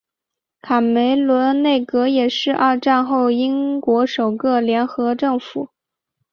卡梅伦内阁也是二战后英国首个联合政府。